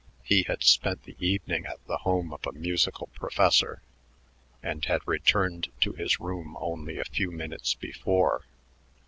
He had spent the evening at the home of a musical professor and had returned to his room only a few minutes before.